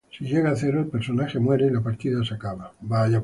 Si llega a cero, el personaje muere y la partida se acaba.